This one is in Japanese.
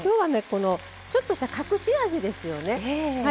このちょっとした隠し味ですよね。